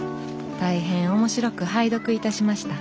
大変面白く拝読いたしました。